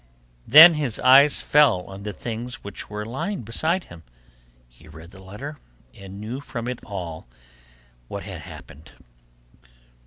Then his eyes fell on the things which were lying beside him; he read the letter, and knew from it all that had happened.